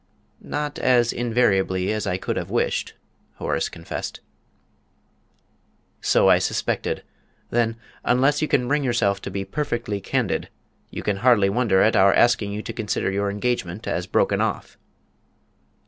"Not as invariably as I could have wished," Horace confessed. "So I suspected. Then, unless you can bring yourself to be perfectly candid, you can hardly wonder at our asking you to consider your engagement as broken off?"